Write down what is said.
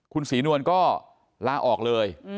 คุณศรีนวลก็ลาออกเลย